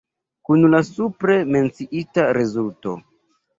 Kun la supre menciita rezulto.